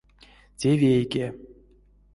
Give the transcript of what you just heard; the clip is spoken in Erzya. Те — вейке.